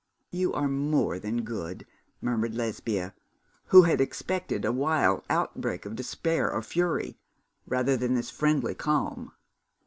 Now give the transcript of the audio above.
'You are more than good,' murmured Lesbia, who had expected a wild outbreak of despair or fury, rather than this friendly calm.